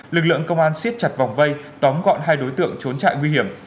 lực lượng công an xiết chặt vòng vây tóm gọn hai đối tượng trốn trại nguy hiểm